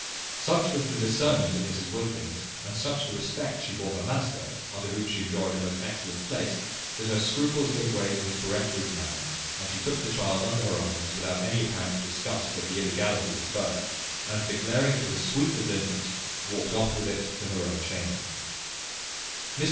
Such was the discernment of Mrs Wilkins, and such the respect she bore her master, under whom she enjoyed a most excellent place, that her scruples gave way to his peremptory commands; and she took the child under her arms, without any apparent disgust at the illegality of its birth; and declaring it was a sweet little infant, walked off with it to her own chamber.